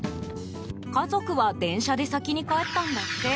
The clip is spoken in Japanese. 家族は電車で先に帰ったんだって。